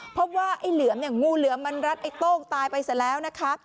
ว่าไอ้เหลือมเนี่ยงูเหลือมมันรัดไอ้โต้งตายไปเสร็จแล้วนะคะ